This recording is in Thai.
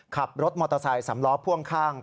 ขับรถมอเตอร์ไซค์สำล้อพ่วงข้าง